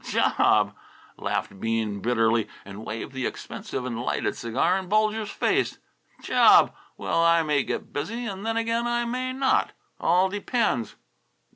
"Job!" laughed Bean bitterly, and waved the expensive and lighted cigar in Bulger's face. "Job! Well, I may get busy, and then again I may not. All depends!"